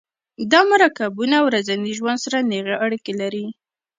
دا مرکبونه ورځني ژوند سره نیغې اړیکې لري.